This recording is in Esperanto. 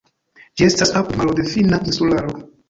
Ĝi estas apud maro de finna insularo.